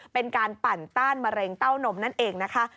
เป็นการปั่นต้านมะเร็งเต้านมนั่นเองนะคะ